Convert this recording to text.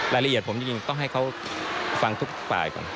รายละเอียดผมจริงต้องให้เขาฟังทุกฝ่ายก่อน